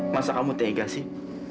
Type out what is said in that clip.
masa kamu tega sih